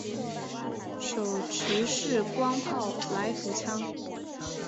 手持式光炮来福枪。